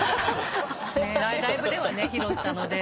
ライブではね披露したので。